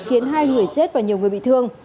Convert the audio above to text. khiến hai người chết và nhiều người bị thương